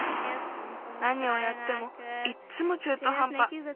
なにをやってもいっつもちゅうとはんぱ。